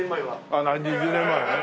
あっ２０年前はね。